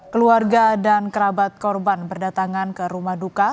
keluarga dan kerabat korban berdatangan ke rumah duka